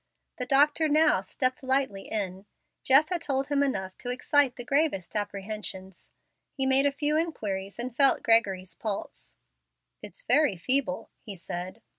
The doctor now stepped lightly in. Jeff had told him enough to excite the gravest apprehensions. He made a few inquiries and felt Gregory's pulse. "It's very feeble," he said.